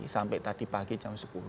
sampai tadi pagi jam sepuluh